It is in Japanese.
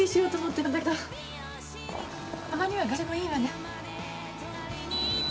たまには外食もいいわね。